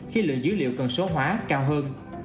khi lượng dữ liệu cần số hóa cao hơn